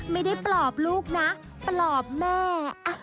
ไม่ได้ปลอบลูกนะปลอบแม่